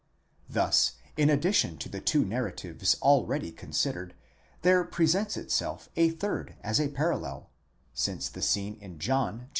Thus in addition to the two narratives already considered, there presents itself a third as a parallel; since the scene in John xii.